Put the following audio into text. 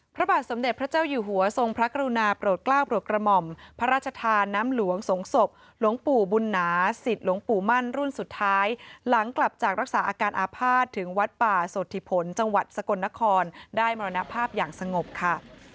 พระบาทสมเด็จพระเจ้าอยู่หัวทรงพระกรุณาโปรดกล้าวโปรดกระหม่อมพระราชทานน้ำหลวงสงศพหลวงปู่บุญนาศิษย์หลวงปู่มั่นรุ่นสุดท้ายหลังกลับจากรักษาอาการอาภาษณ์ถึงวัดป่าสถิผลจังหวัดสกลนครได้มรณภาพอย่างสงบค่ะ